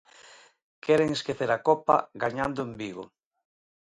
Queren esquecer a Copa gañando en Vigo.